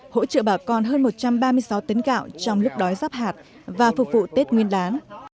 hỗ trợ bà con hơn một trăm ba mươi sáu tấn gạo trong lúc đói rắp hạt và phục vụ tết nguyên đán